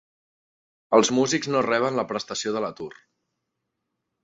Els músics no reben la prestació de l'atur.